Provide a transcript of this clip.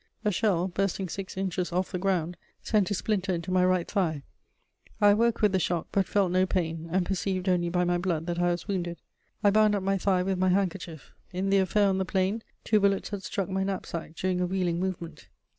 A shell, bursting six inches off the ground, sent a splinter into my right thigh. I awoke with the shock, but felt no pain, and perceived only by my blood that I was wounded. I bound up my thigh with my hand kerchief. In the affair on the plain, two bullets had struck my knapsack during a wheeling movement.